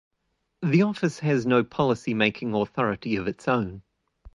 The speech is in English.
The office has no policy-making authority of its own.